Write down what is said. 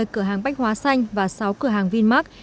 bảy mươi cửa hàng bách hóa xanh và sáu cửa hàng vinmark